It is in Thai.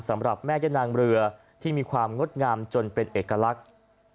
สำหรับแม่ย่านางเรือที่มีความงดงามจนเป็นเอกลักษณ์